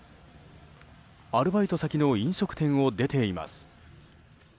アルバイト先の飲食店を出ています。